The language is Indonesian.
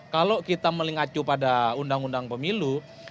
kalau kita melingacu pada undang undang pemilu